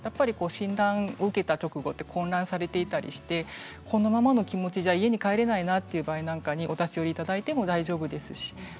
診断を受けた直後は混乱されていたりしてこのままの気持ちじゃ家に帰れない場合お立ち寄りいただいても大丈夫です。